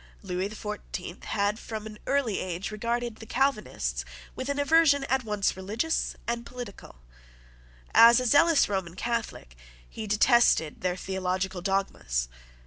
Lewis the Fourteenth had, from an early age, regarded the Calvinists with an aversion at once religious and political. As a zealous Roman Catholic, he detested their theological dogmas.